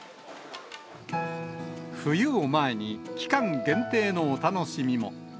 冬を前に、期間限定のお楽しみも。